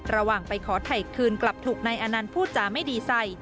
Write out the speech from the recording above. ระหว่างไปขอถ่ายคืนกลับถูกนายอนันต์พูดจาไม่ดีใส่